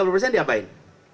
tiga puluh persen diapain